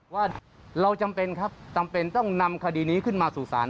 ว่าเราจำเป็นครับจำเป็นต้องนำคดีนี้ขึ้นมาสู่ศาล